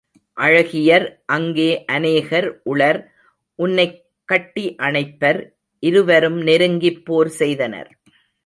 அழகியர் அங்கே அநேகர் உளர் உன்னைக் கட்டி அணைப்பர்! இருவரும் நெருங்கிப் போர் செய்தனர்.